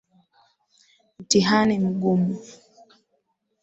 Mtihani mgumu.